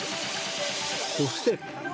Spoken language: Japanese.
そして。